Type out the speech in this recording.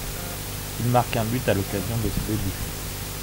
Il marque un but à l'occasion de ses débuts.